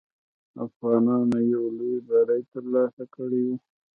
افغانانو یو لوی بری ترلاسه کړی وو.